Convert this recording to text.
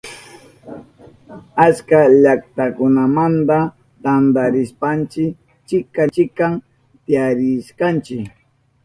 Achka llaktakunamanta tantarishpanchi chikan chikan tiyarishkanchi.